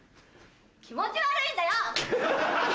気持ち悪いんだよ！